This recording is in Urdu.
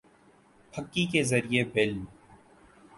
پھکی کے زریعے بل